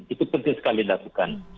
itu penting sekali dilakukan